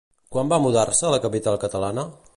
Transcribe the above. Quan va mudar-se a la capital catalana?